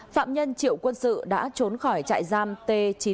phạm nhân triệu quân sự đã trốn khỏi trại giam t chín trăm bảy mươi bốn